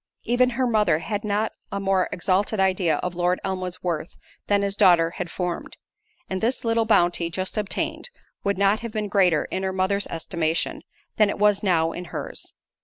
Even her mother had not a more exalted idea of Lord Elmwood's worth than his daughter had formed; and this little bounty just obtained, would not have been greater in her mother's estimation, than it was now in hers.